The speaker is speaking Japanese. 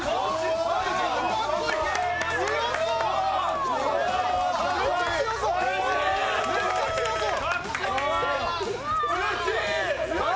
強そう、めっちゃ強そう。